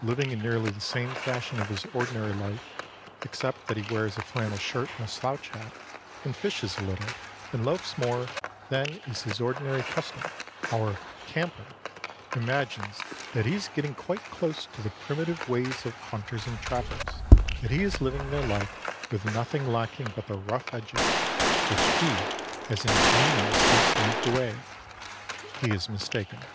Living in nearly the same fashion of his ordinary life, except that he wears a flannel shirt and a slouch hat, and fishes a little and loafs more than is his ordinary custom, our "camper" imagines that he is getting quite close to the primitive ways of hunters and trappers; that he is living their life with nothing lacking but the rough edges, which he has ingeniously smoothed away. He is mistaken.